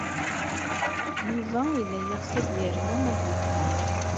Yuba yella yeɣs ad yernu ad yeqqim.